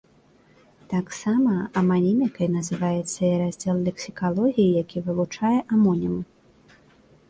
Таксама аманімікай называецца і раздзел лексікалогіі, які вывучае амонімы.